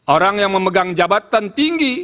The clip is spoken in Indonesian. orang yang memegang jabatan tinggi